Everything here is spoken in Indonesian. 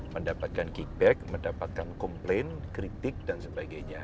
mendapatkan kickback mendapatkan komplain kritik dan sebagainya